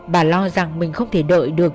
bà lo rằng mình không thể đợi được